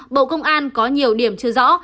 bộ công an có nhiều điểm chưa rõ